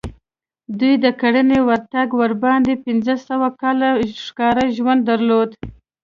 دوی د کرنې ورتګ وړاندې پنځه سوه کاله ښکاري ژوند درلود